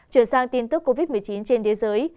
chuyển sang tin tức covid một mươi chín trên thế giới